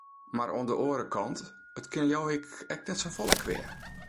Mar oan de oare kant, it kin leau ik ek net safolle kwea.